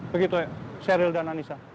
begitu sheryl dan anissa